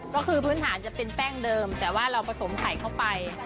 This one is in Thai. ก็คือพื้นฐานจะเป็นแป้งเดิมแต่ว่าเราผสมไข่เข้าไป